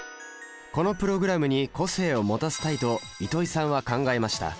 このプログラムに個性を持たせたいと糸井さんは考えました。